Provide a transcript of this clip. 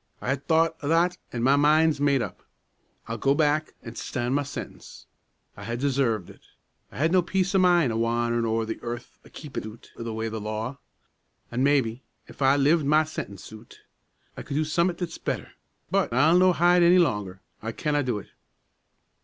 "I ha' thocht o' that, an' my min's made up. I'll go back, an' stan' ma sentence. I ha' deserved it. I'd ha' no peace o' min' a wanderin' o'er the earth a keepin' oot o' the way o' the law. An' maybe, if I lived ma sentence oot, I could do some'at that's better. But I'll no' hide any longer; I canna do it!"